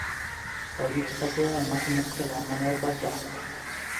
Zauritutakoa emakumezko alemaniar bat da.